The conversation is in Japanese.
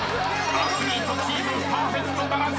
［アスリートチームパーフェクトならず。